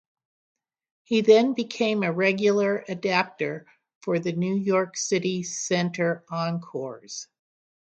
He then became a regular adapter for the New York City Center Encores!